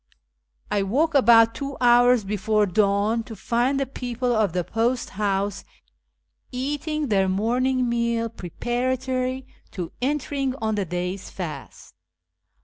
I woke about two hours before dawn to find the people of the post house eating their morning meal preparatory to enter ing on the day's fast.